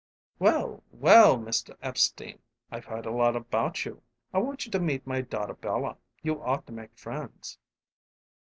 "Well, well, Mr. Epstein. I've heard a lot about you. I want you to meet my daughter Bella. You ought to make friends."